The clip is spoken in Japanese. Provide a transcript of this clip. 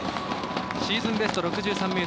シーズンベスト６３ｍ９３ｃｍ。